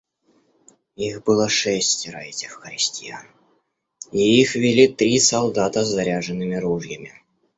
Их было шестеро, этих крестьян, и их вели три солдата с заряженными ружьями.